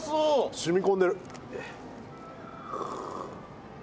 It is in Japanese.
染み込んでる！